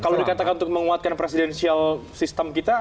kalau dikatakan untuk menguatkan presidensial sistem kita